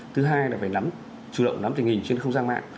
thứ hai là phải nắm chủ động nắm tình hình trên không gian mạng